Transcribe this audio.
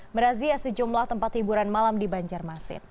merazia sejumlah tempat hiburan malam di banjarmasin